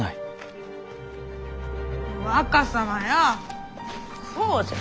若様よこうじゃ！